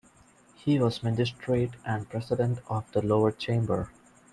He was magistrate and President of the Lower Chamber.